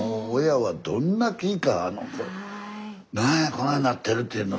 なんやこないになってるっていうの。